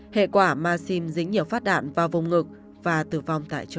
hệ quả maxim dính nhiều phát đạn vào vùng ngực và tử vong tại chỗ